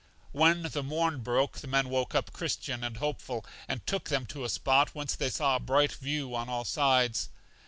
When the morn broke, the men woke up Christian and Hopeful, and took them to a spot whence they saw a bright view on all sides.